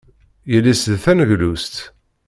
Yelli-s d taneglust.